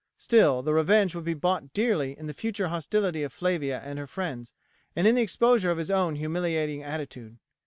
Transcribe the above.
Still the revenge would be bought dearly in the future hostility of Flavia and her friends, and in the exposure of his own humiliating attitude.